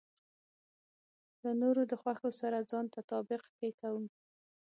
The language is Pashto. له نورو د خوښو سره ځان تطابق کې کوو.